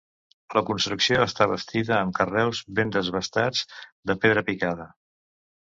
La construcció està bastida amb carreus ben desbastats de pedra picada.